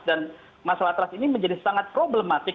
dan masalah trust ini menjadi sangat problematik